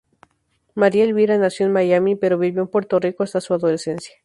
María Elvira nació en Miami, pero vivió en Puerto Rico hasta su adolescencia.